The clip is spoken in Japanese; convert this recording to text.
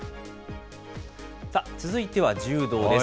続いては柔道です。